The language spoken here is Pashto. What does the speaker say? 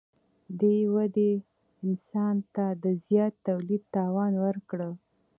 دې ودې انسان ته د زیات تولید توان ورکړ.